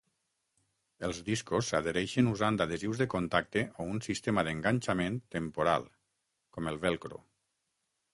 Els discos s'adhereixen usant adhesius de contacte o un sistema d'enganxament temporal com el velcro.